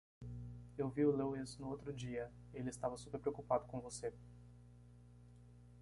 Eu vi Louis no outro dia? ele estava super preocupado com você.